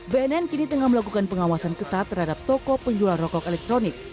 bnn kini tengah melakukan pengawasan ketat terhadap toko penjual rokok elektronik